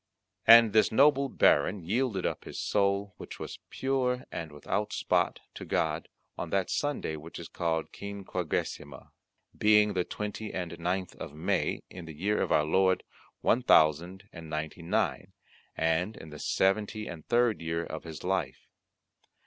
And this noble Baron yielded up his soul, which was pure and without spot, to God, on that Sunday which is called Quinquagesima, being the twenty and ninth of May, in the year of our Lord one thousand and ninety and nine, and in the seventy and third year of his life.